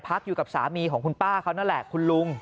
อยู่กับสามีของคุณป้าเขานั่นแหละคุณลุง